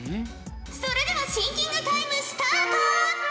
それではシンキングタイムスタート！